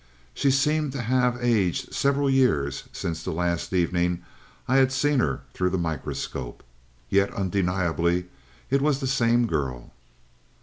She seemed to have aged several years since the last evening I had seen her through the microscope. Yet, undeniably, it was the same girl.